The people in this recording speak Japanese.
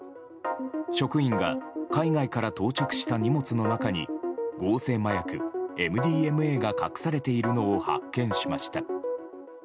職員が海外から到着した荷物の中に合成麻薬ＭＤＭＡが隠されているのを発見しました。